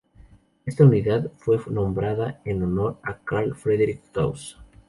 Esta unidad fue nombrada en honor a Carl Friedrich Gauss.